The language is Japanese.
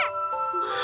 まあ！